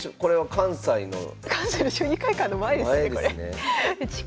関西の将棋会館の前ですね